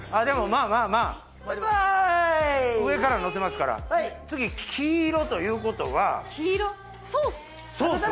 まあまあまあ上からのせますから次黄色ということは黄色ソース！